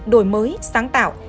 đổi mới sáng tạo